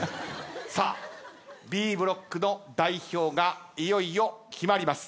さあＢブロックの代表がいよいよ決まります。